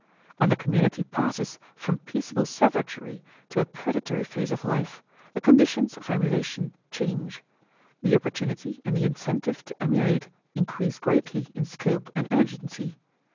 When the community passes from peaceable savagery to a predatory phase of life, the conditions of emulation change. The opportunity and the incentive to emulate increase greatly in scope and urgency.